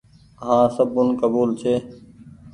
هآن سبون ڪبول ڇي۔